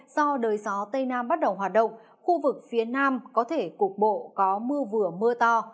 do đời gió tây nam bắt đầu hoạt động khu vực phía nam có thể cục bộ có mưa vừa mưa to